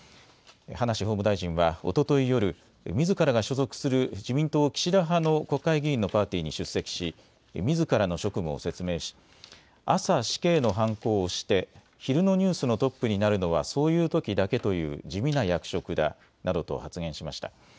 葉梨法務大臣はおととい夜、みずからが所属する自民党岸田派の国会議員のパーティーに出席しみずからの職務を説明し朝、死刑のはんこを押して昼のニュースのトップになるのはそういうときだけという地味な役職だなどと発言しました。